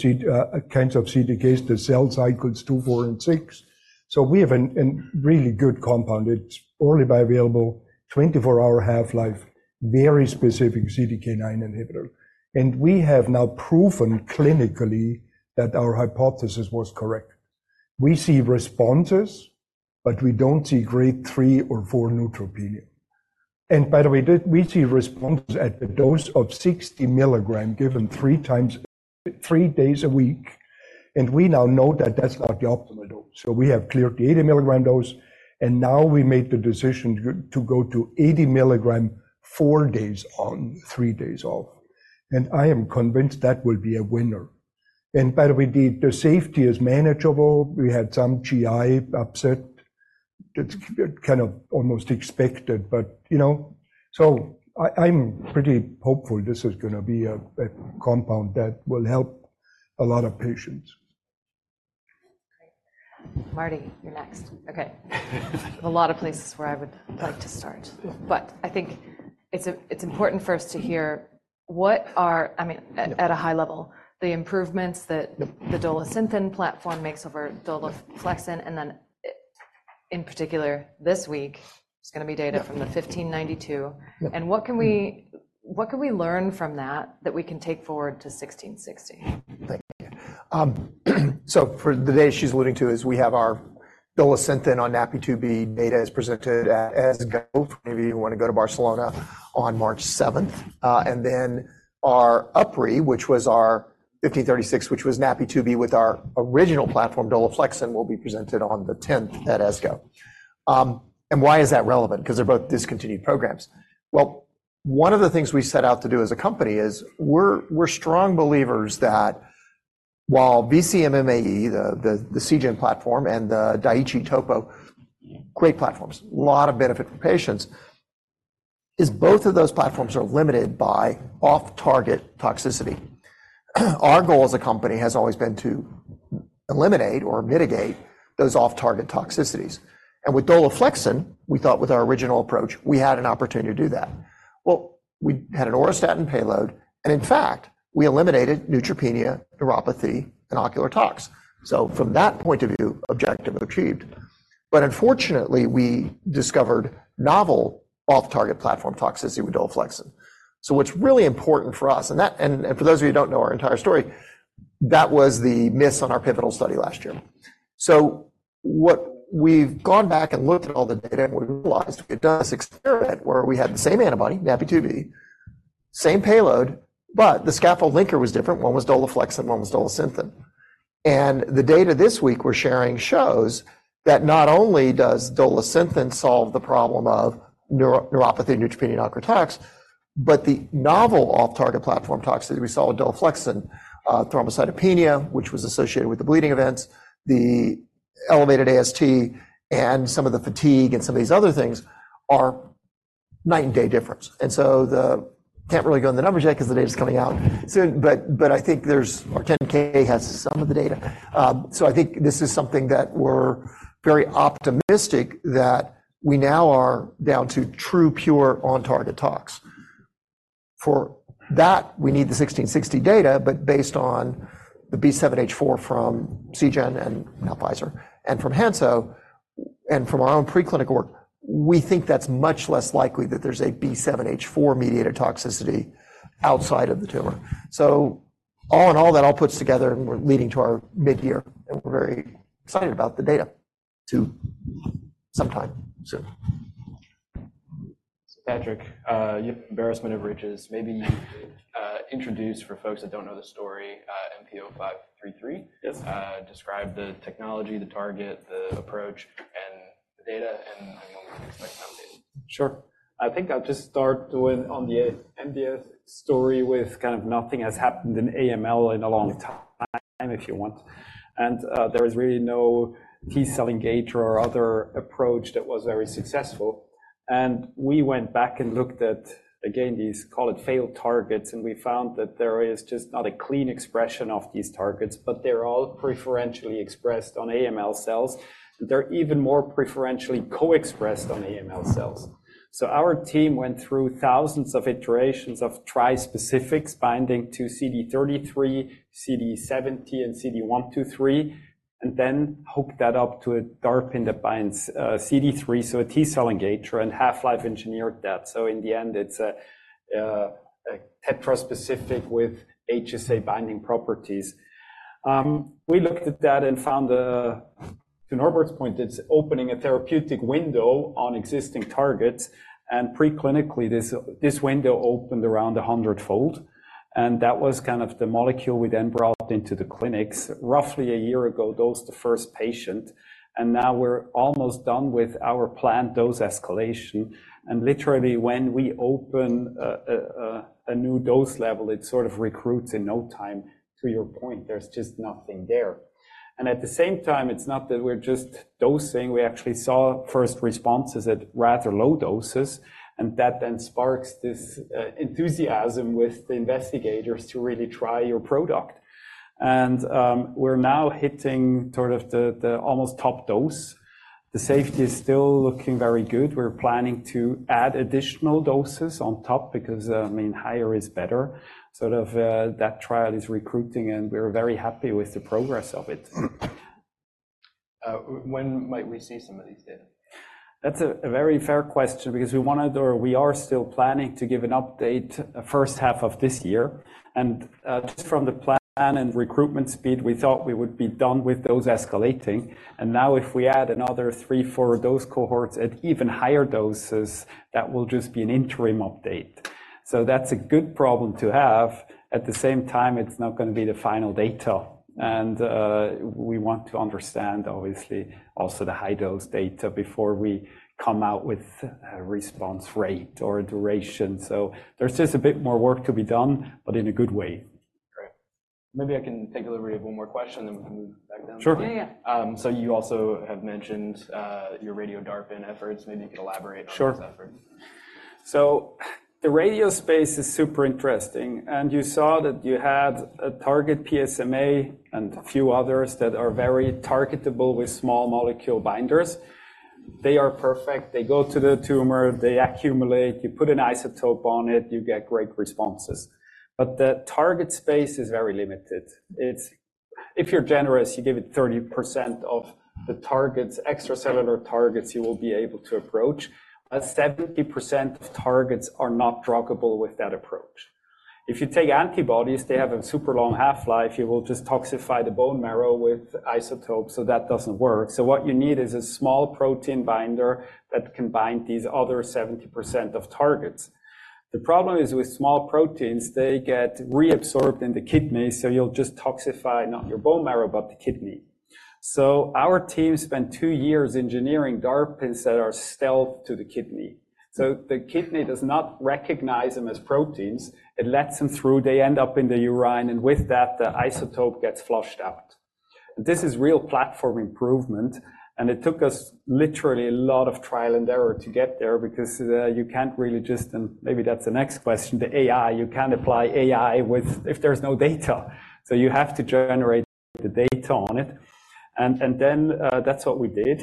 kinds of CDKs, the cell cycles 2, 4, and 6. So we have a really good compound. It's orally bioavailable, 24-hour half-life, very specific CDK9 inhibitor, and we have now proven clinically that our hypothesis was correct. We see responses, but we don't see Grade 3 or 4 neutropenia, and by the way, we see responses at a dose of 60 mg, given three days a week, and we now know that that's not the optimal dose. So we have cleared the 80 mg dose, and now we made the decision to go to 80 mg, four days on, three days off, and I am convinced that will be a winner. And by the way, the safety is manageable. We had some GI upset. That's kind of almost expected, but you know. So I'm pretty hopeful this is gonna be a compound that will help a lot of patients. Great. Marty, you're next. Okay. A lot of places where I would like to start, but I think it's important for us to hear what—I mean, at a high level, the improvements that- Yep... the Dolasynthen platform makes over Dolaflexin, and then in particular, this week, it's gonna be data from- Yep... the 1592. Yep. And what can we learn from that, that we can take forward to XMT-1660? Thank you. So for the day she's alluding to is we have our Dolasynthen on NaPi2b data is presented at ESGO. Maybe you want to go to Barcelona on March 7. And then our UpRi, which was our 1536, which was NaPi2b, with our original platform, Dolaflexin, will be presented on the 10th at ESGO. And why is that relevant? Because they're both discontinued programs. Well, one of the things we set out to do as a company is we're strong believers that while vcMMAE, the Seagen platform, and the Daiichi topo, great platforms, lot of benefit for patients is both of those platforms are limited by off-target toxicity. Our goal as a company has always been to eliminate or mitigate those off-target toxicities. And with Dolaflexin, we thought with our original approach, we had an opportunity to do that. Well, we had an auristatin payload, and in fact, we eliminated neutropenia, neuropathy, and ocular tox. So from that point of view, objective achieved. But unfortunately, we discovered novel off-target platform toxicity with Dolaflexin. So what's really important for us, and that for those of you who don't know our entire story, that was the miss on our pivotal study last year. So what we've gone back and looked at all the data, and we realized we could do this experiment, where we had the same antibody, NaPi2b, same payload, but the scaffold linker was different. One was Dolaflexin, one was Dolasynthen. The data this week we're sharing shows that not only does Dolasynthen solve the problem of neuropathy, neutropenia, and ocular tox, but the novel off-target platform toxicity we saw with Dolaflexin, thrombocytopenia, which was associated with the bleeding events, the elevated AST and some of the fatigue and some of these other things are night and day difference. So we can't really go into the numbers yet 'cause the data is coming out soon, but I think there's, our 10-K has some of the data. So I think this is something that we're very optimistic that we now are down to true, pure, on-target tox. For that, we need the 1660 data, but based on the B7-H4 from Seagen and now Pfizer, and from Hansoh, and from our own preclinical work, we think that's much less likely that there's a B7-H4 mediated toxicity outside of the tumor. So all in all, that all puts together, and we're leading to our mid-year, and we're very excited about the data, too. Sometime soon. So, Patrick, you have an embarrassment of riches. Maybe you could introduce for folks that don't know the story, MP0533. Yes. Describe the technology, the target, the approach, and the data, and when we can expect that data? Sure. I think I'll just start with on the MDS story with kind of nothing has happened in AML in a long time, if you want. And there is really no T-cell engager or other approach that was very successful. And we went back and looked at, again, these, call it failed targets, and we found that there is just not a clean expression of these targets, but they're all preferentially expressed on AML cells. They're even more preferentially co-expressed on AML cells. So our team went through thousands of iterations of tri-specifics binding to CD33, CD70, and CD123, and then hooked that up to a DARPin that binds CD3, so a T-cell engager and half-life engineered that. So in the end, it's a tetra-specific with HSA binding properties. We looked at that and found, to Norbert's point, it's opening a therapeutic window on existing targets, and pre-clinically, this window opened around a hundredfold, and that was kind of the molecule we then brought into the clinics. Roughly a year ago, dosed the first patient, and now we're almost done with our planned dose escalation. And literally, when we open a new dose level, it sort of recruits in no time. To your point, there's just nothing there. And at the same time, it's not that we're just dosing. We actually saw first responses at rather low doses, and that then sparks this enthusiasm with the investigators to really try your product. And we're now hitting sort of the almost top dose. The safety is still looking very good. We're planning to add additional doses on top because, I mean, higher is better. Sort of, that trial is recruiting, and we're very happy with the progress of it. When might we see some of these data? That's a very fair question because we wanted or we are still planning to give an update, first half of this year. And just from the plan and recruitment speed, we thought we would be done with dose escalating. And now, if we add another 3-4 dose cohorts at even higher doses, that will just be an interim update. So that's a good problem to have. At the same time, it's not gonna be the final data, and we want to understand obviously, also the high dose data before we come out with a response rate or a duration. So there's just a bit more work to be done, but in a good way. Great. Maybe I can take delivery of one more question, then we can move back down. Sure. Yeah, yeah. So you also have mentioned your Radio-DARPin efforts. Maybe you could elaborate- Sure. On those efforts. So the radio space is super interesting, and you saw that you had a target PSMA and a few others that are very targetable with small molecule binders. They are perfect. They go to the tumor, they accumulate, you put an isotope on it, you get great responses. But the target space is very limited. It's. If you're generous, you give it 30% of the targets, extracellular targets you will be able to approach, but 70% of targets are not druggable with that approach. If you take antibodies, they have a super long half-life, you will just toxify the bone marrow with isotopes, so that doesn't work. So what you need is a small protein binder that can bind these other 70% of targets. The problem is, with small proteins, they get reabsorbed in the kidney, so you'll just toxify not your bone marrow, but the kidney. So our team spent two years engineering DARPins that are stealth to the kidney. So the kidney does not recognize them as proteins. It lets them through, they end up in the urine, and with that, the isotope gets flushed out. This is real platform improvement, and it took us literally a lot of trial and error to get there, because you can't really just - and maybe that's the next question, the AI. You can't apply AI with - if there's no data, so you have to generate the data on it. And then, that's what we did.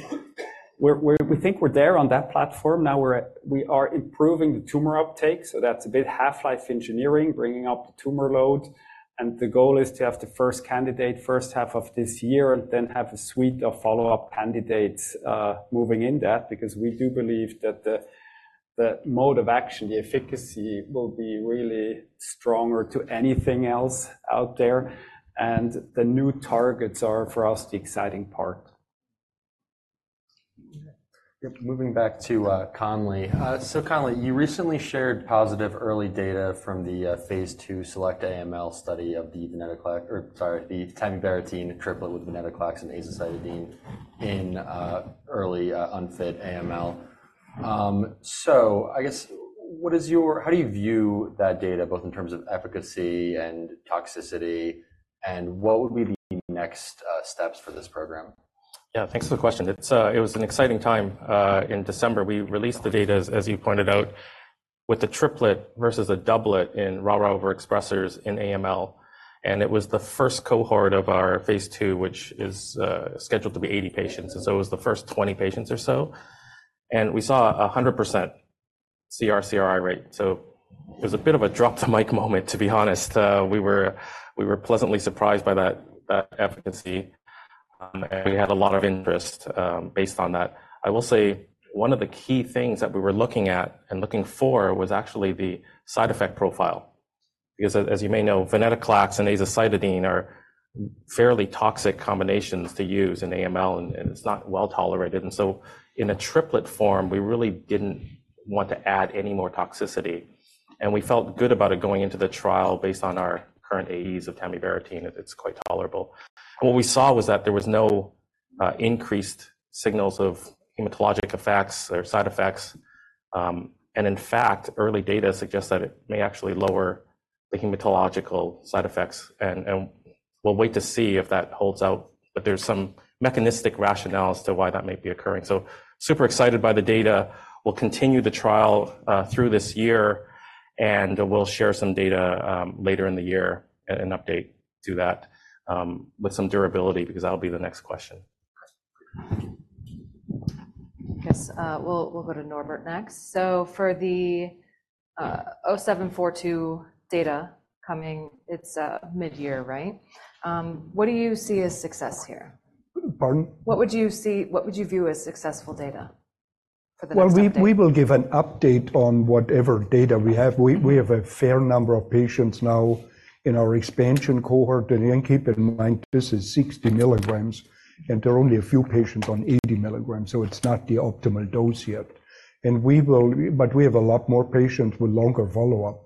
We're - We think we're there on that platform now. We're at - We are improving the tumor uptake, so that's a bit half-life engineering, bringing up the tumor load. The goal is to have the first candidate first half of this year and then have a suite of follow-up candidates, moving in that, because we do believe that the mode of action, the efficacy, will be really stronger to anything else out there, and the new targets are, for us, the exciting part. Moving back to Conley. So, Conley, you recently shared positive early data from the phase 2 SELECT-AML study of the venetoclax... Or sorry, the tamibarotene triplet with venetoclax and azacitidine in early unfit AML. So I guess, what is your, how do you view that data, both in terms of efficacy and toxicity, and what would be the next steps for this program? Yeah, thanks for the question. It was an exciting time. In December, we released the data, as you pointed out, with a triplet versus a doublet in RARA overexpressers in AML, and it was the first cohort of our phase 2, which is scheduled to be 80 patients, and so it was the first 20 patients or so. And we saw a 100% CR/CRi rate, so it was a bit of a drop-the-mic moment, to be honest. We were pleasantly surprised by that efficacy, and we had a lot of interest based on that. I will say one of the key things that we were looking at and looking for was actually the side effect profile, because as you may know, venetoclax and azacitidine are fairly toxic combinations to use in AML, and it's not well-tolerated. And so in a triplet form, we really didn't want to add any more toxicity, and we felt good about it going into the trial based on our current AEs of tamibarotene, and it's quite tolerable. And what we saw was that there was no increased signals of hematologic effects or side effects. And in fact, early data suggests that it may actually lower the hematological side effects, and we'll wait to see if that holds out. But there's some mechanistic rationale as to why that may be occurring. So, super excited by the data. We'll continue the trial through this year, and we'll share some data later in the year and an update to that with some durability, because that'll be the next question. Yes, we'll go to Norbert next. So for the 0742 data coming, it's mid-year, right? What do you see as success here? Pardon? What would you view as successful data for the next update? Well, we will give an update on whatever data we have. We have a fair number of patients now in our expansion cohort, and then keep in mind, this is 60 milligrams, and there are only a few patients on 80 milligrams, so it's not the optimal dose yet. But we have a lot more patients with longer follow-up,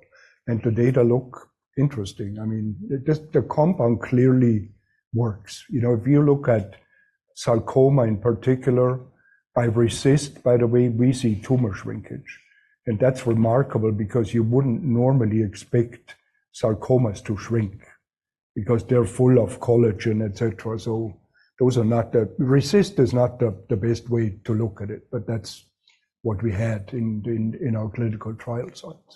and the data look interesting. I mean, just the compound clearly works. You know, if you look at sarcoma in particular, by RECIST, by the way, we see tumor shrinkage, and that's remarkable because you wouldn't normally expect sarcomas to shrink because they're full of collagen, et cetera. So RECIST is not the best way to look at it, but that's what we had in our clinical trial sites.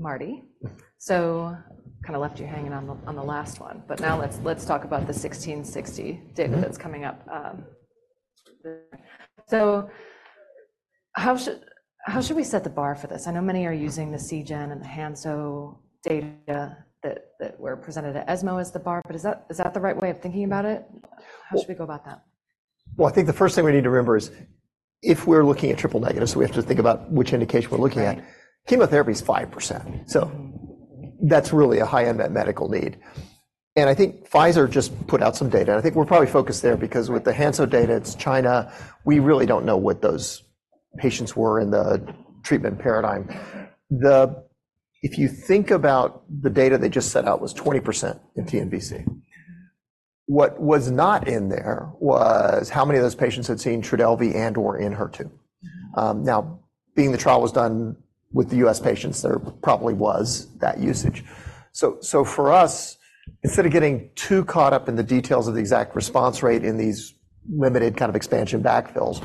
Marty, so kinda left you hanging on the last one, but now let's talk about the 1660 data that's coming up. So how should we set the bar for this? I know many are using the Seagen and the Hansoh data that were presented at ESMO as the bar, but is that the right way of thinking about it? How should we go about that? Well, I think the first thing we need to remember is if we're looking at triple-negative, so we have to think about which indication we're looking at. Right. Chemotherapy is 5%, so that's really a high-end medical need. I think Pfizer just put out some data, and I think we're probably focused there because with the Hansoh data, it's China. We really don't know what those patients were in the treatment paradigm. If you think about the data they just set out was 20% in TNBC. What was not in there was how many of those patients had seen Trodelvy and/or Enhertu. Now, being the trial was done with the U.S. patients, there probably was that usage. So, so for us, instead of getting too caught up in the details of the exact response rate in these limited kind of expansion backfills,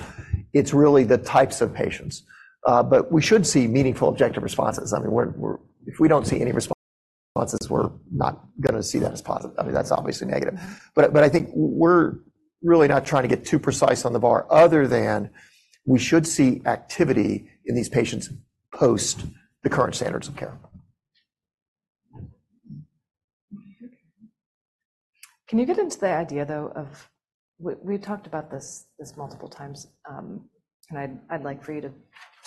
it's really the types of patients. But we should see meaningful objective responses. I mean, we're, we're-- if we don't see any responses, we're not gonna see that as positive. I mean, that's obviously negative. But, but I think we're really not trying to get too precise on the bar, other than we should see activity in these patients post the current standards of care. Can you get into the idea, though, of... We've talked about this multiple times, and I'd like for you to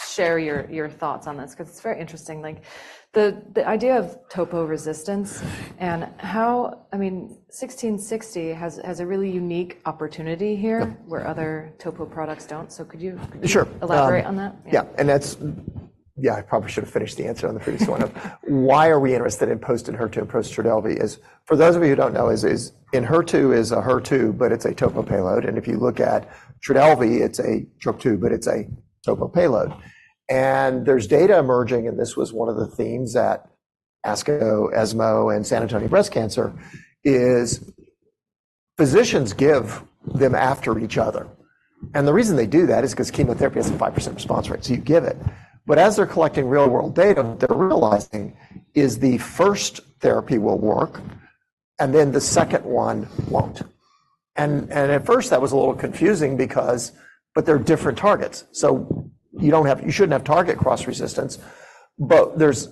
share your thoughts on this because it's very interesting, like the idea of topo resistance and how—I mean, XMT-1660 has a really unique opportunity here- Yeah... where other topo products don't. So could you- Sure - Elaborate on that? Yeah, and that's. Yeah, I probably should have finished the answer on the previous one. Why are we interested in post-Enhertu and post-Trodelvy is, for those of you who don't know, Enhertu is a HER2, but it's a topo payload, and if you look at Trodelvy, it's a Trop-2, but it's a topo payload. And there's data emerging, and this was one of the themes at ASCO, ESMO, and San Antonio Breast Cancer. Physicians give them after each other, and the reason they do that is because chemotherapy has a 5% response rate, so you give it. But as they're collecting real-world data, what they're realizing is the first therapy will work, and then the second one won't. And at first, that was a little confusing because but they're different targets, so you don't have you shouldn't have target cross-resistance. But there's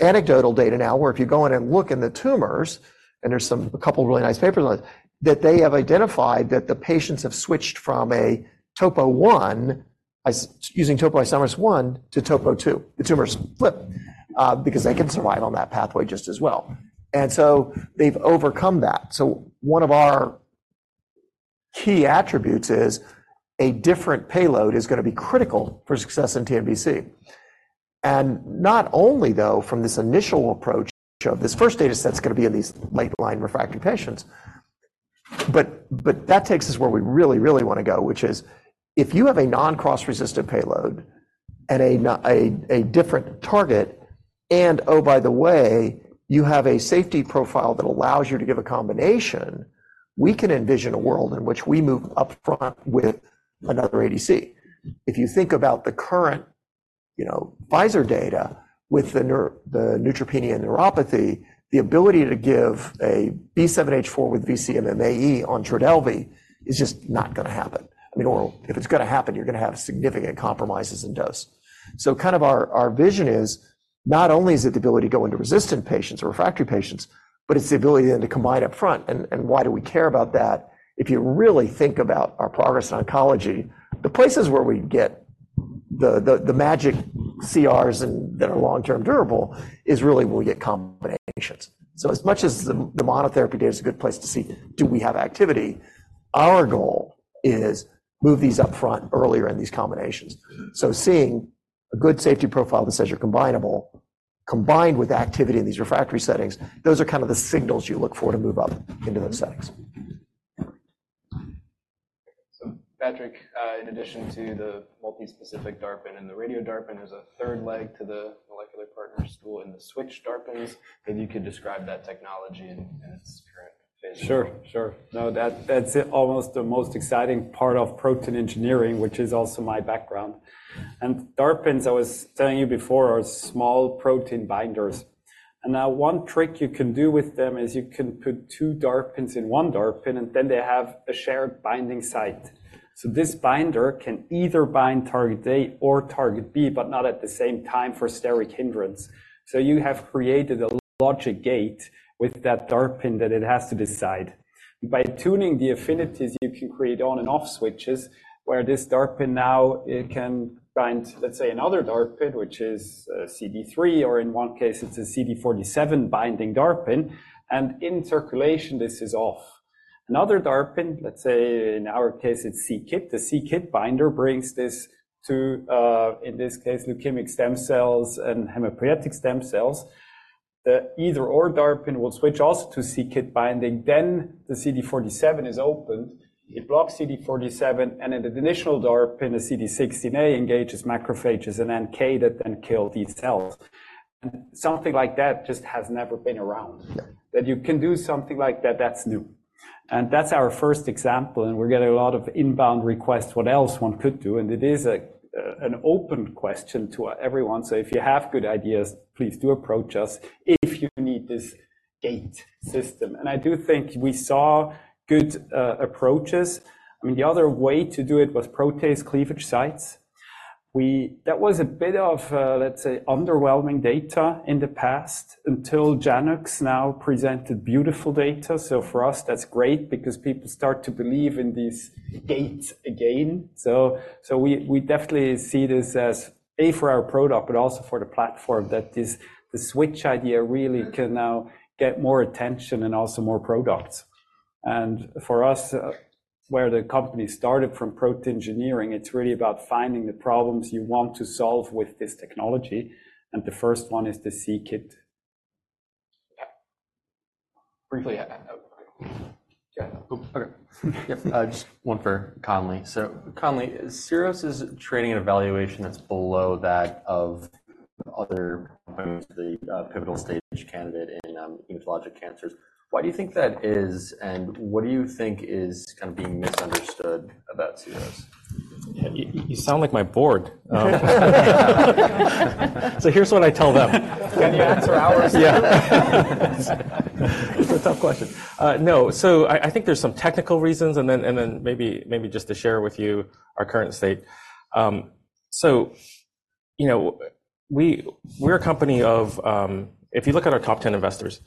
anecdotal data now, where if you go in and look in the tumors, and there's some, a couple of really nice papers on it, that they have identified that the patients have switched from a topo one using topoisomerase one to topo two. The tumors flip because they can survive on that pathway just as well, and so they've overcome that. So one of our key attributes is a different payload is going to be critical for success in TNBC. And not only, though, from this initial approach of this first data set is going to be in these late-line refractory patients, but that takes us where we really, really want to go, which is if you have a non-cross-resistant payload and a different target, and oh, by the way, you have a safety profile that allows you to give a combination, we can envision a world in which we move upfront with another ADC. If you think about the current, you know, Pfizer data with the neutropenia neuropathy, the ability to give a B7-H4 with vcMMAE on Trodelvy is just not going to happen. I mean, or if it's going to happen, you're going to have significant compromises in dose. So kind of our vision is not only is it the ability to go into resistant patients or refractory patients, but it's the ability then to combine upfront. And why do we care about that? If you really think about our progress in oncology, the places where we get the magic CRs and that are long-term durable is really where we get combinations. So as much as the monotherapy data is a good place to see, do we have activity? Our goal is move these upfront earlier in these combinations. So seeing a good safety profile that says you're combinable, combined with activity in these refractory settings, those are kind of the signals you look for to move up into those settings. So, Patrick, in addition to the multi-specific DARPin and the Radio-DARPin, there's a third leg to the Molecular Partners tool in the Switch-DARPins. If you could describe that technology and its current phase. Sure, sure. No, that, that's almost the most exciting part of protein engineering, which is also my background. And DARPins, I was telling you before, are small protein binders. And now one trick you can do with them is you can put two DARPins in one DARPin, and then they have a shared binding site. So this binder can either bind target A or target B, but not at the same time for steric hindrance. So you have created a logic gate with that DARPin that it has to decide. By tuning the affinities, you can create on and off switches, where this DARPin now it can bind, let's say, another DARPin, which is CD3, or in one case, it's a CD47 binding DARPin, and in circulation, this is off. Another DARPin, let's say, in our case, it's c-Kit. The c-Kit binder brings this to, in this case, leukemic stem cells and hematopoietic stem cells. The either or DARPin will switch also to c-Kit binding, then the CD47 is opened. It blocks CD47, and in the initial DARPin, the CD16A engages macrophages and then NK that then kill these cells. And something like that just has never been around. That you can do something like that, that's new. And that's our first example, and we're getting a lot of inbound requests, what else one could do, and it is a, an open question to everyone. So if you have good ideas, please do approach us if you need this gate system. And I do think we saw good, approaches. I mean, the other way to do it was protease cleavage sites. That was a bit of, let's say, underwhelming data in the past until Janux now presented beautiful data. So for us, that's great because people start to believe in these gates again. So we definitely see this as, A, for our product, but also for the platform that this, the switch idea really can now get more attention and also more products. And for us, where the company started from protein engineering, it's really about finding the problems you want to solve with this technology, and the first one is the c-Kit. Briefly, uh... Yeah. Okay. Just one for Conley. So, Conley, Syros is trading at a valuation that's below that of other companies, the pivotal stage candidate in oncologic cancers. Why do you think that is, and what do you think is kind of being misunderstood about Syros? You sound like my board. So here's what I tell them. Can you answer ours? Yeah. It's a tough question. No. So I think there's some technical reasons, and then maybe just to share with you our current state. So you know, we're a company of... If you look at our top 10 investors,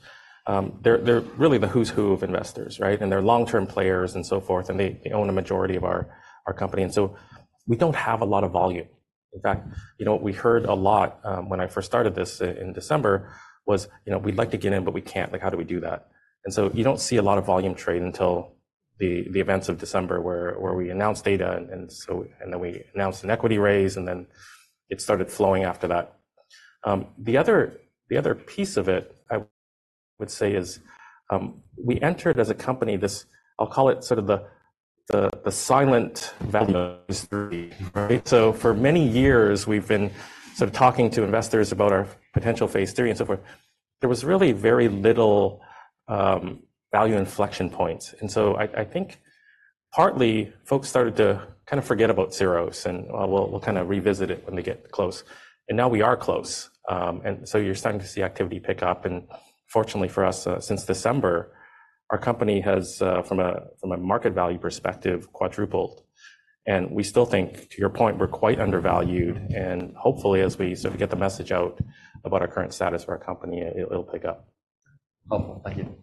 they're really the who's who of investors, right? And they're long-term players and so forth, and they own a majority of our company, and so we don't have a lot of volume. In fact, you know, we heard a lot when I first started this in December, was, you know, "We'd like to get in, but we can't. Like, how do we do that?" And so you don't see a lot of volume trade until the events of December where we announced data, and then we announced an equity raise, and then it started flowing after that. The other piece of it, I would say, is we entered as a company, this, I'll call it sort of the-... the silent value, right? So for many years, we've been sort of talking to investors about our potential phase 3 and so forth. There was really very little value inflection points, and so I think partly folks started to kind of forget about us, and well, we'll kind of revisit it when we get close. And now we are close. And so you're starting to see activity pick up, and fortunately for us, since December, our company has, from a market value perspective, quadrupled. And we still think, to your point, we're quite undervalued, and hopefully, as we sort of get the message out about our current status of our company, it'll pick up. helpful. Thank you.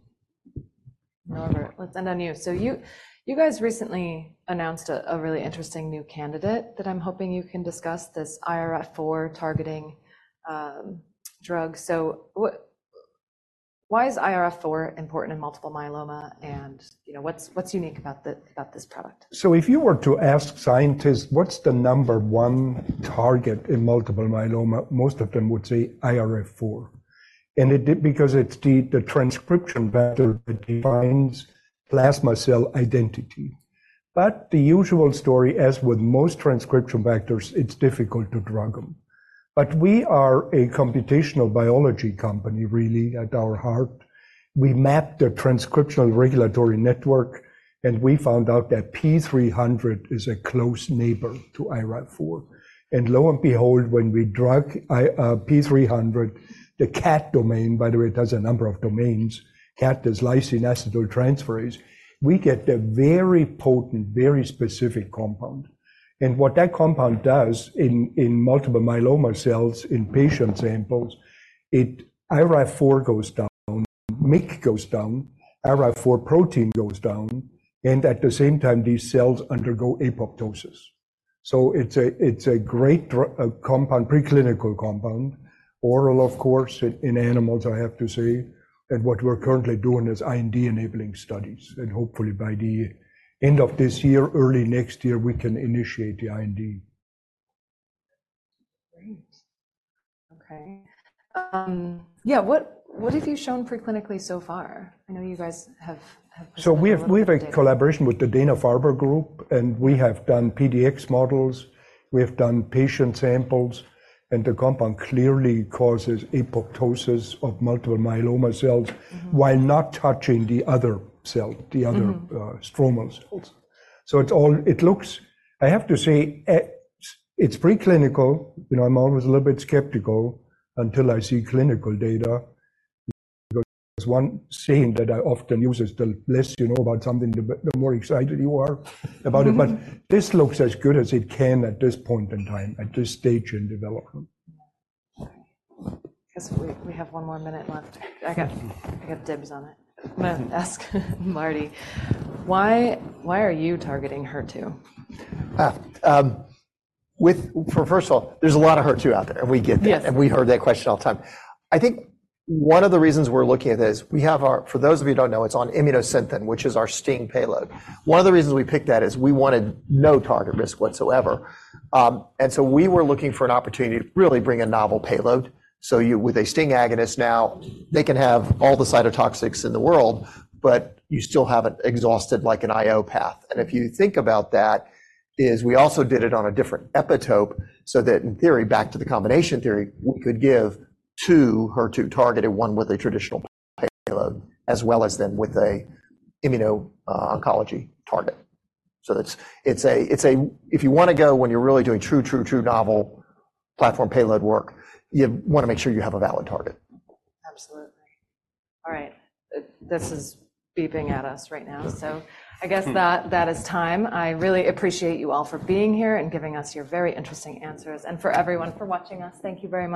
Norbert, let's end on you. So you guys recently announced a really interesting new candidate that I'm hoping you can discuss, this IRF4 targeting drug. So, why is IRF4 important in multiple myeloma, and, you know, what's unique about this product? So if you were to ask scientists: What's the number 1 target in multiple myeloma? Most of them would say IRF4. And because it's the, the transcription factor that defines plasma cell identity. But the usual story, as with most transcription factors, it's difficult to drug 'em. But we are a computational biology company, really, at our heart. We mapped the transcriptional regulatory network, and we found out that P300 is a close neighbor to IRF4. And lo and behold, when we drug P300, the KAT domain, by the way, it has a number of domains, KAT, is lysine acetyltransferase, we get a very potent, very specific compound. What that compound does in multiple myeloma cells, in patient samples, it, IRF4 goes down, MYC goes down, IRF4 protein goes down, and at the same time, these cells undergo apoptosis. So it's a great drug, preclinical compound, oral, of course, in animals, I have to say. And what we're currently doing is IND-enabling studies, and hopefully, by the end of this year, early next year, we can initiate the IND. Great. Okay. Yeah, what, what have you shown preclinically so far? I know you guys have, have- So we have a collaboration with the Dana-Farber group, and we have done PDX models, we have done patient samples, and the compound clearly causes apoptosis of multiple myeloma cells. Mm-hmm... while not touching the other cell, Mm-hmm... stromal cells. So it's all. It looks. I have to say, it's preclinical. You know, I'm always a little bit skeptical until I see clinical data. There's one saying that I often use, it's, "The less you know about something, the more excited you are about it. Mm-hmm. This looks as good as it can at this point in time, at this stage in development. I guess we have one more minute left. I got dibs on it. I'm gonna ask Marty, why are you targeting HER2? Well, first of all, there's a lot of HER2 out there, and we get that. Yes. We heard that question all the time. I think one of the reasons we're looking at this, we have our—for those of you who don't know, it's on Immunosynthen, which is our STING payload. One of the reasons we picked that is, we wanted no target risk whatsoever. And so we were looking for an opportunity to really bring a novel payload. So you, with a STING agonist now, they can have all the cytotoxics in the world, but you still haven't exhausted, like, an IO path. And if you think about that, we also did it on a different epitope, so that, in theory, back to the combination theory, we could give two HER2-targeted, one with a traditional payload, as well as then with an immuno-oncology target. So if you wanna go when you're really doing true, true, true novel platform payload work, you wanna make sure you have a valid target. Absolutely. All right. This is beeping at us right now, so I guess that, that is time. I really appreciate you all for being here and giving us your very interesting answers, and for everyone for watching us, thank you very much.